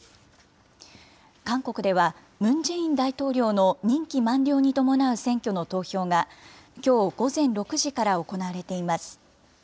韓国では、ムン・ジェイン大統領の任期満了に伴う選挙の投票が、きょう午前６時から行われています。